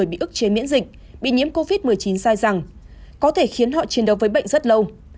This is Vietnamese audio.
bị ức chế miễn dịch bị nhiễm covid một mươi chín sai rằng có thể khiến họ chiến đấu với bệnh rất lâu